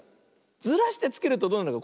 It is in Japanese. ずらしてつけるとどうなるか。